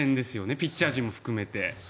ピッチャー陣も含めて。